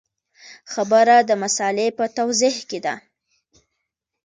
خبره د مسألې په توضیح کې ده.